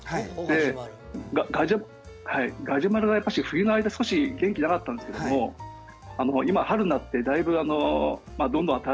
ガジュマルはやっぱし冬の間少し元気なかったんですけども今春になってだいぶどんどん新しい葉っぱを出してる。